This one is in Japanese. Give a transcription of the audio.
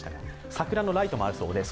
桜のライトもあるそうです。